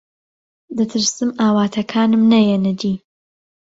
دەترسم ئاواتەکانم نەیەنە دی.